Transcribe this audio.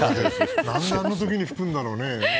何であの時に吹くんだろうね。